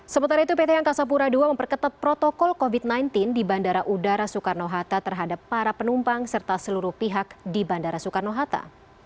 sementara itu pt angkasa pura ii memperketat protokol covid sembilan belas di bandara udara soekarno hatta terhadap para penumpang serta seluruh pihak di bandara soekarno hatta